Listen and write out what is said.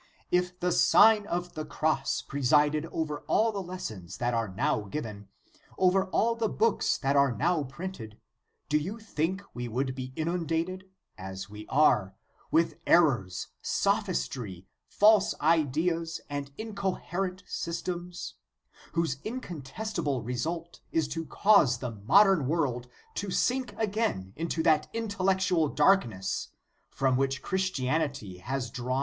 If the Sign of the Cross presided over all the lessons that are now given, over all the books that are now printed, do you think we would be inundated, as we are, with errors, sophistry, false ideas, and incoherent systems, whose incontestable result is to cause the modern world to sink again into that intellec tual darkness, from which Christianity has drawn it?